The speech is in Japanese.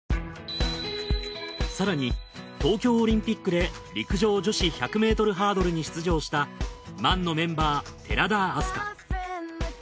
更に東京オリンピックで陸上女子１００ｍハードルに出場したＭＡＮのメンバー寺田明日香。